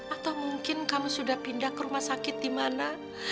atau mungkin kamu sudah pindah ke rumah sakit dimana